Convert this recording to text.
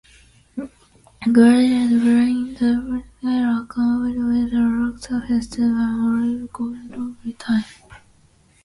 Glaciers during the Pleistocene era converted the rock surface to an olive-colored loamy till.